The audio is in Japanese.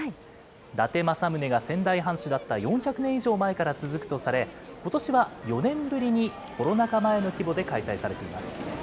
伊達政宗が仙台藩主だった４００年以上前から続くとされ、ことしは４年ぶりにコロナ禍前の規模で開催されています。